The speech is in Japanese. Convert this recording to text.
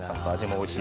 おいしい。